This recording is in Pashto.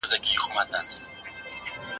زه اوس سړو ته خواړه ورکوم!.